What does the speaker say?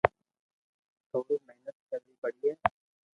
ٿوري مھنت ڪروي پڙئي